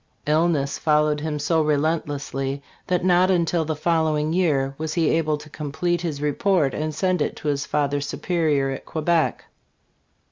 Illness followed him so relent lessly that not until the following year was he able to com plete his report and send it to his Father Superior at Quebec.